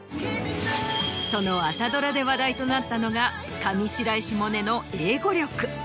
その朝ドラで話題となったのが上白石萌音の英語力。